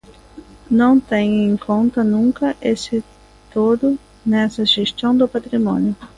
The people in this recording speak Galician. Non teñen en conta nunca ese todo nesa xestión do patrimonio.